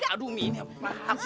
aduh mini apaan sih